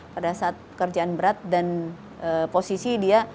pada saat kerjaan berat dan posisi dia